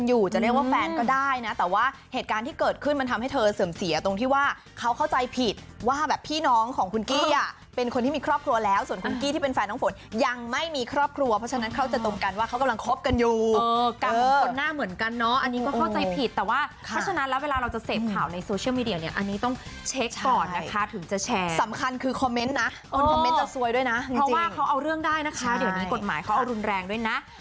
อยู่จะเรียกว่าแฟนก็ได้นะแต่ว่าเหตุการณ์ที่เกิดขึ้นมันทำให้เธอเสริมเสียตรงที่ว่าเขาเข้าใจผิดว่าแบบพี่น้องของคุณกี้อะเป็นคนที่มีครอบครัวแล้วส่วนคุณกี้ที่เป็นแฟนน้องฝนยังไม่มีครอบครัวเพราะฉะนั้นเขาจะตรงกันว